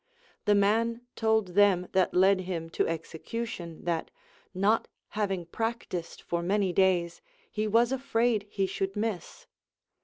The man told them that led him to execution that, not having practised for many days, he was afraid he should miss.